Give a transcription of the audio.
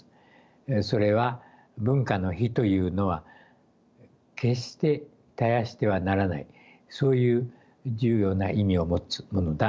それは文化の灯というのは決して絶やしてはならないそういう重要な意味を持つものだからであります。